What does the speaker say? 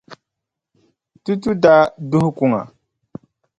Tutu daa duhi kuŋa.